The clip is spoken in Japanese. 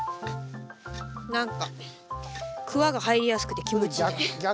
何かクワが入りやすくて気持ちいい。